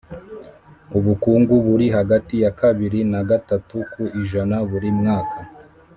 ubukungu buri hagati ya kabiri na gatatu ku ijana buri mwaka